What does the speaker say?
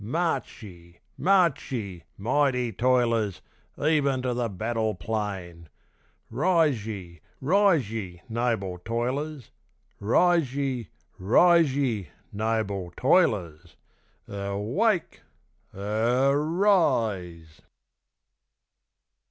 March ye! march ye! mighty toilers! even to the battle plain! Rise ye! rise ye! noble toilers! Rise ye! rise ye! noble toilers! Erwake! er r rise!